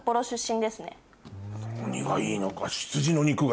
何がいいのか。